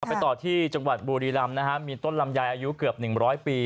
ไปต่อที่จังหวัดบูรีรำนะฮะต้นรำยายอายุเกือบหนึ่งบร้อยปี